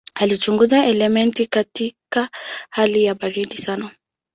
Alichunguza elementi katika hali ya baridi sana.